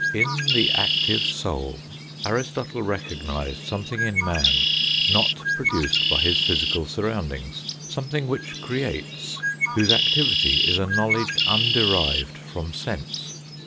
In the active soul Aristotle recognised something in man not produced by his physical surroundings, some thing which creates, whose activity is a knowledge underived from sense.